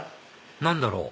何だろう？